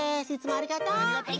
ありがとう！